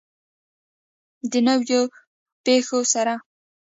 د نویو پیښو سره.